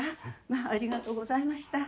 まあありがとうございました。